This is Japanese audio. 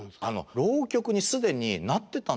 浪曲に既になってたんですよ。